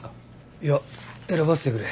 いや選ばせてくれ。